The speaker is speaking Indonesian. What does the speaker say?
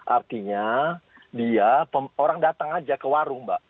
artinya dia orang datang aja ke warung mbak